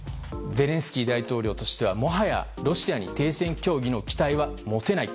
ゼレンスキー大統領としてはもはやロシアに停戦協議の期待は持てない。